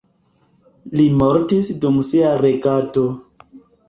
Li mortis dum sia regado.